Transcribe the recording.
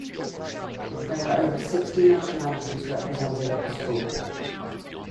There are over sixty nationalities represented at the school.